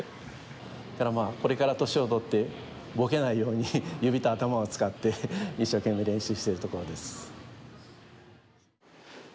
だからまあこれから年を取ってぼけないように指と頭を使って一生懸命練習してるところです。